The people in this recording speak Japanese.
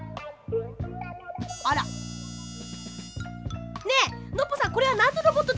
あら。ねえノッポさんこれはなんのロボットですか？